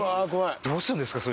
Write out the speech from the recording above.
どうするんですか？